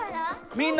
みんな！